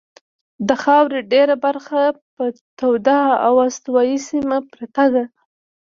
د خاورې ډېره برخه په توده او استوایي سیمه پرته ده.